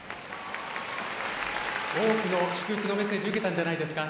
多くの祝福のメッセージ受けたんじゃないですか。